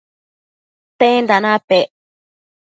tenda napec?